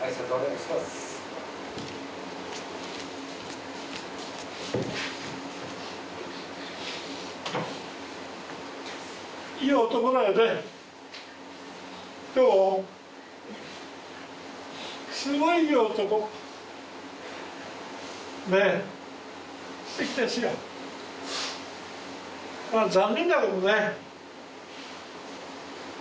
まぁ残念だけどね